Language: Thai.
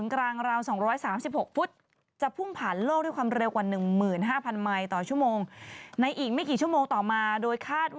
นางคิดแบบว่าไม่ไหวแล้วไปกด